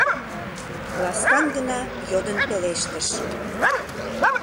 Ласкан гына йодын пелештыш: